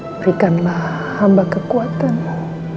berikanlah hamba kekuatanmu